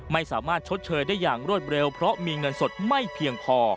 ไม่สามารถชดเชยได้อย่างรวดเร็วเพราะมีเงินสดไม่เพียงพอ